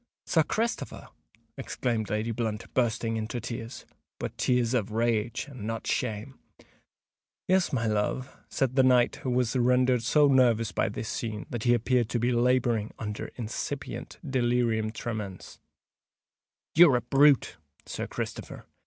"Sir Christopher!" exclaimed Lady Blunt, bursting into tears—but tears of rage, and not shame. "Yes, my love," said the knight, who was rendered so nervous by this scene that he appeared to be labouring under incipient delirium tremens. "You're a brute, Sir Christopher!"